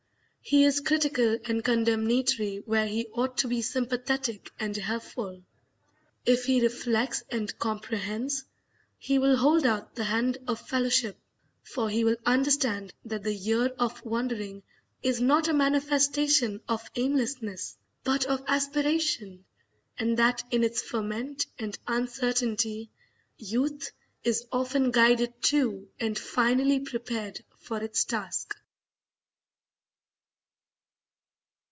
He is critical and condemnatory where he ought to be sympathetic and helpful. If he reflects and comprehends, he will hold out the hand of fellowship; for he will understand that the year of wandering is not a manifestation of aimlessness, but of aspiration, and that in its ferment and uncertainty youth is often guided to and finally prepared for its task.